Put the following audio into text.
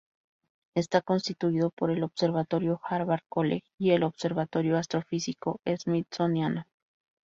Está constituido por el observatorio Harvard College y el observatorio astrofísico smithsoniano.